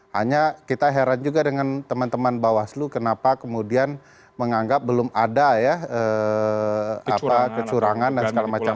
hanya kita heran juga dengan teman teman bawaslu kenapa kemudian menganggap belum ada ya kecurangan dan segala macam